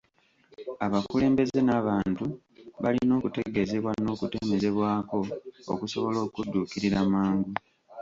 Abakulembeze n'abantu balina okutegeezebwa n'okutemezebwako okusobola okudduukirira mangu .